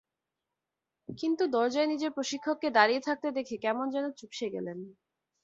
কিন্তু দরজায় নিজের প্রশিক্ষককে দাঁড়িয়ে থাকতে দেখে কেমন যেন চুপসে গেলেন।